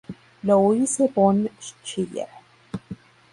Louise von Schiller.